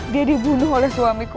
dia dibunuh oleh suamiku